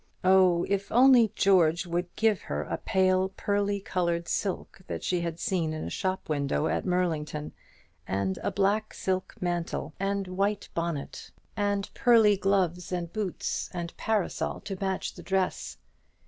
Oh, if George would only give her a pale pearly coloured silk that she had seen in a shop window at Murlington, and a black silk mantle, and white bonnet, and pearly gloves and boots and parasol to match the dress!